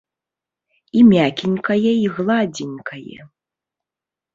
І мякенькае і гладзенькае.